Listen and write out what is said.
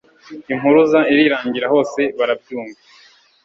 impuruza irirangira hose barayumva